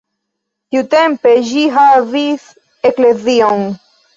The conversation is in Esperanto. Tiutempe ĝi havis eklezion.